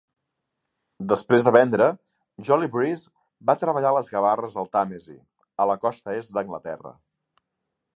Després de vendre, Jolie Brise va treballar a les gavarres del Tàmesi a la costa est d'Anglaterra.